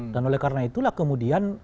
dan oleh karena itulah kemudian